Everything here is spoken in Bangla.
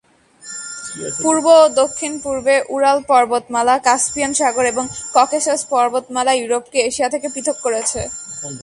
পূর্ব ও দক্ষিণ-পূর্বে উরাল পর্বতমালা, কাস্পিয়ান সাগর, এবং ককেশাস পর্বতমালা ইউরোপকে এশিয়া থেকে পৃথক করেছে।